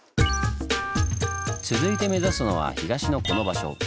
続いて目指すのは東のこの場所。